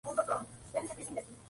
Actos Administrativos